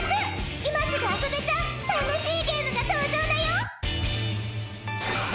今すぐ遊べちゃう楽しいゲームが登場だよ。